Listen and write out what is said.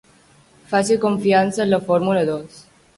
Faci confiança en la Fórmula dos.